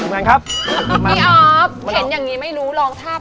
เห็นอย่างนี้ไม่รู้ลองภาพให้ดูหน่อย